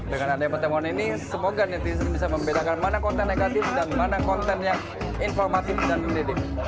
dengan adanya pertemuan ini semoga netizen bisa membedakan mana konten negatif dan mana konten yang informatif dan mendidik